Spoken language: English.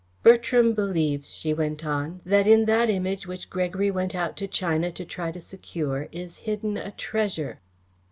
"Bertram believes," she went on, "that in that Image which Gregory went out to China to try to secure is hidden a treasure."